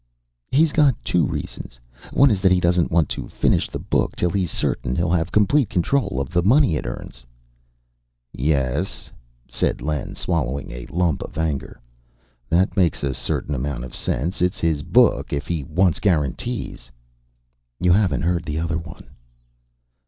"He's got two reasons. One is that he doesn't want to finish the book till he's certain he'll have complete control of the money it earns." "Yes," said Len, swallowing a lump of anger, "that makes a certain amount of sense. It's his book. If he wants guarantees...." "You haven't heard the other one."